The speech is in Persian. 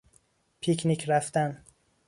پیکنیک رفتن